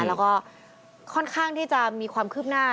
แล้วก็ค่อนข้างที่จะมีความคืบหน้า